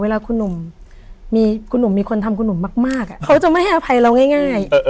เวลาคุณหนุ่มมีคุณหนุ่มมีคนทำคุณหนุ่มมากเขาจะไม่ให้อภัยเราง่าย